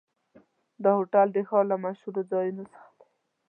دا هوټل د ښار له مشهورو ځایونو څخه دی.